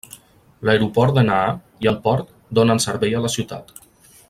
L'Aeroport de Naha i el port donen servei a la ciutat.